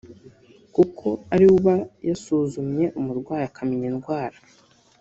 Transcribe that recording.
kuko ari we uba yasuzumye umurwayi akamenya indwara